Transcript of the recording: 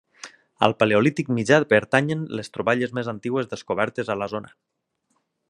Al Paleolític mitjà pertanyen les troballes més antigues descobertes a la zona.